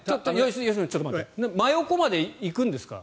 真横まで行くんですか？